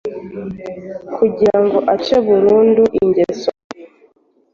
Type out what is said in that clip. kugira ngo ace burundu ingeso mbi